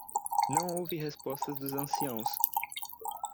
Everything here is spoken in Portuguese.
Não houve resposta dos anciãos.